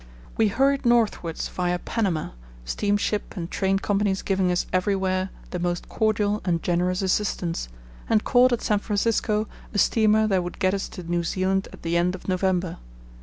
We hurried northwards via Panama, steamship and train companies giving us everywhere the most cordial and generous assistance, and caught at San Francisco a steamer that would get us to New Zealand at the end of November.